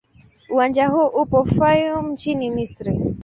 Uwanja huu upo Fayoum nchini Misri.